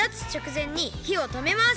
ぜんにひをとめます。